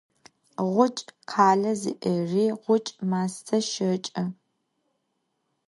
Ğuçç' khale zi'eri ğuçç' maste şeç'e.